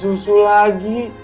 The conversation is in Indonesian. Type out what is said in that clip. aduh nina susu lagi